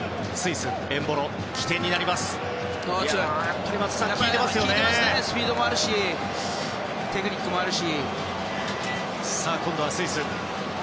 スピードもあるしテクニックもあるし。